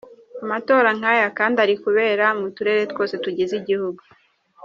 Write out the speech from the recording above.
Amatora nk’aya kandi ari kubera mu turere twose tugize igihugu.